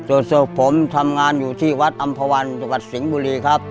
ส่วนศพผมทำงานอยู่ที่วัดอำภาวันจังหวัดสิงห์บุรีครับ